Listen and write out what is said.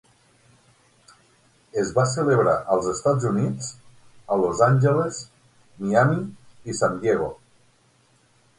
Es va celebrar als Estats Units, a Los Angeles, Miami i San Diego.